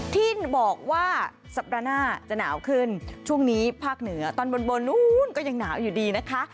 ที่บอกว่าสัปดาห์หน้าจะหนาวขึ้นช่วงนี้ภาคเหนือตอนบนบนนู้นก็ยังหนาวอยู่ดีนะคะ